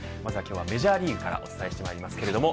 メジャーリーグからお伝えしてまいります。